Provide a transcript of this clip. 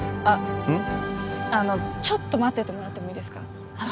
あのちょっと待っててもらってもいいですか？